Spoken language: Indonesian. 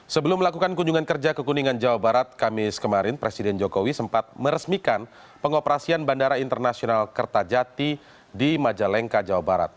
sebelum melakukan kunjungan kerja ke kuningan jawa barat kamis kemarin presiden jokowi sempat meresmikan pengoperasian bandara internasional kertajati di majalengka jawa barat